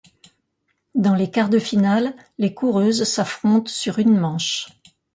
Dans les quarts de finale, les coureuses s'affrontent sur une manche.